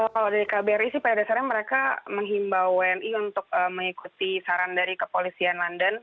kalau dari kbri sih pada dasarnya mereka menghimbau wni untuk mengikuti saran dari kepolisian london